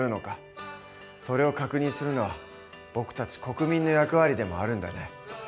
それを確認するのは僕たち国民の役割でもあるんだね。